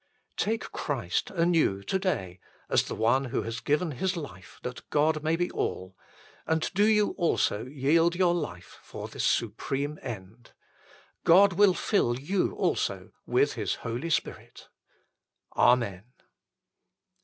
Take Christ anew to day as One who has given His life that God may be all, and do you also yield your life for this supreme end. God will fill you also with His Holy Spirit. Amen.